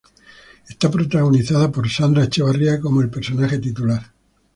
Está protagonizada por Sandra Echeverría como el personaje titular.